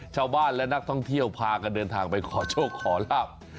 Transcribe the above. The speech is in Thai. ชาวบ้านและนักท่องเที่ยวพากันเดินทางไปขอโชคขอลาบ